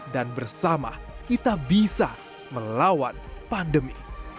dan bersama kita bisa melawan pandemi